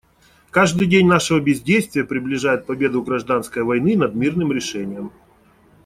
Каждый день нашего бездействия приближает победу гражданской войны над мирным решением.